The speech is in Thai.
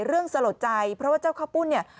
เรื่องสะโหลใจเพราะว่าเจ้าข้าวปุ้นเนี่ย